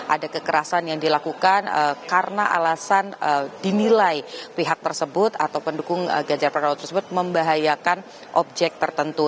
ada kekerasan yang dilakukan karena alasan dinilai pihak tersebut atau pendukung ganjar pranowo tersebut membahayakan objek tertentu